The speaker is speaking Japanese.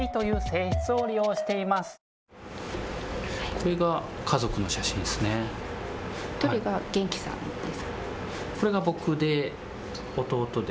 これが家族の写真です。